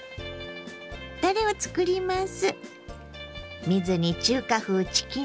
たれをつくります。